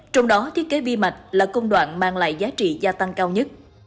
trong đó thiết kế vi mạch là công đoạn mang lại giá trị gia tăng cao nhất